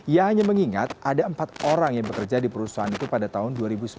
ia hanya mengingat ada empat orang yang bekerja di perusahaan itu pada tahun dua ribu sembilan